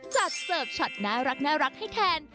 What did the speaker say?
เสิร์ฟช็อตน่ารักให้แทน